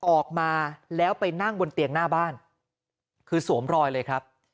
ออกมาแล้วไปนั่งบนเตียงหน้าบ้านคือสวมรอยเลยครับ